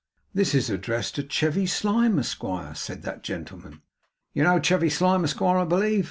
'This is addressed to Chevy Slyme, Esquire,' said that gentleman. 'You know Chevy Slyme, Esquire, I believe?